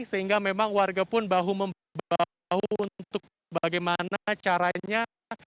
sehingga memang warga pun bahu membahu untuk bagaimana caranya